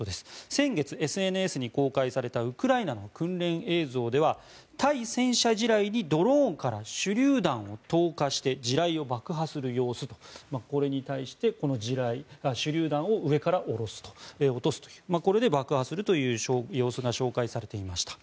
先月、ＳＮＳに公開されたウクライナの訓練映像では対戦車地雷にドローンから手りゅう弾を投下して地雷を爆破する様子というこれに対して、この手りゅう弾を上から落とすというこれで爆破するという様子が紹介されていました。